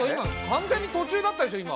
完全に途中だったでしょ今。